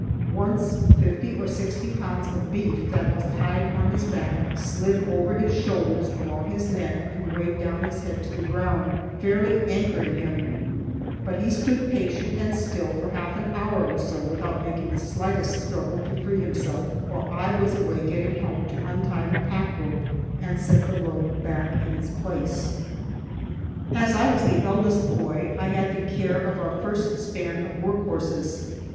Once fifty or sixty pounds of beef that was tied on his back slid over his shoulders along his neck and weighed down his head to the ground, fairly anchoring him; but he stood patient and still for half an hour or so without making the slightest struggle to free himself, while I was away getting help to untie the pack rope and set the load back in its place. As I was the eldest boy I had the care of our first span of work horses.